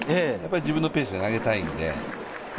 自分のペースで投げたいんで。